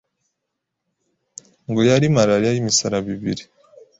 ngo yari malaria y'imisaraba ibiri